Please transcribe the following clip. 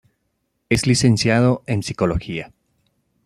Es licenciado en psicología.